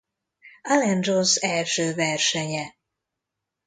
Alan Jones első versenye.